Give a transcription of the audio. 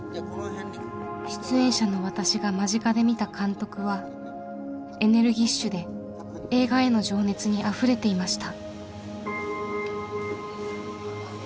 出演者の私が間近で見た監督はエネルギッシュで映画への情熱にあふれていました。